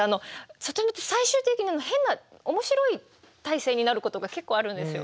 里山って最終的に変な面白い体勢になることが結構あるんですよ。